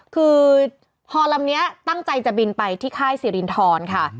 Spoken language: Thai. คือฮอลำนี้ตั้งใจจะบินไปที่ค่ายสิรินทรค่ะ